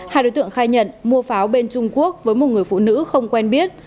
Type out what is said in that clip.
hai đối tượng khai nhận mua pháo bên trung quốc với một người phụ nữ không quen biết